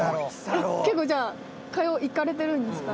結構じゃ行かれてるんですか？